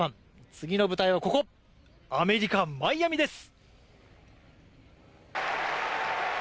次の舞台はここ、アメリカ・マイアミです。